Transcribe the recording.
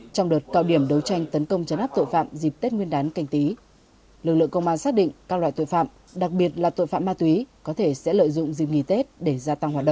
trong đợt cao điểm đấu tranh tấn công chấn án đối tượng